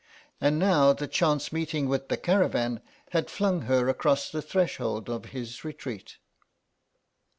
And now the chance meeting with the caravan had flung her across the threshold of his retreat.